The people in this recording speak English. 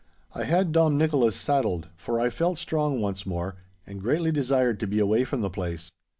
I had Dom Nicholas saddled, for I felt strong once more, and greatly desired to be away from the place.